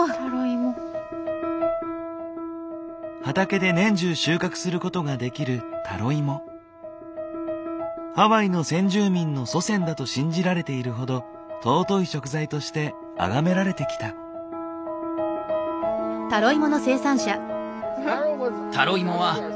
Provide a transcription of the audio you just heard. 畑で年中収穫することができる信じられているほど尊い食材としてあがめられてきた。